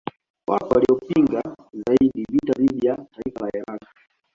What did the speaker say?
Watu waliopinga zaidi vita dhidi ya taifa la Iraq